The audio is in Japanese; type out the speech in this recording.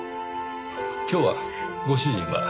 今日はご主人は？